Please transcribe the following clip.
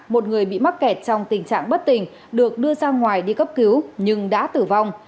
một người bị mắc kẹt trong tình trạng bất tình được đưa ra ngoài đi cấp cứu nhưng đã tử vong